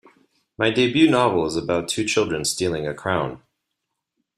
My debut novel is about two children stealing a crown.